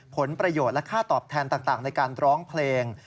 ผลประโยชน์และค่าตอบแทนต่างในการร้องเพลง